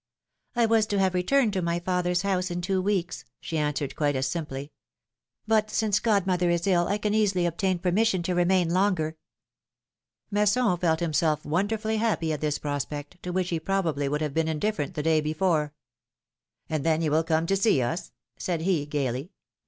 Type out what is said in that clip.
155 I was to have returned to my father's house in two weeks/' she answered, quite as simply. But, since god mother is ill, I can easily obtain permission to remain longer." Masson felt himself wonderfully happy at this prospect, to which he probably would have been indifferent the day before. ^^And then you will come to see us?" said he, gayly.